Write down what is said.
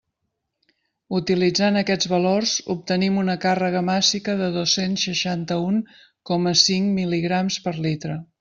Utilitzant aquests valors obtenim una càrrega màssica de dos-cents seixanta-un coma cinc mil·ligrams per litre.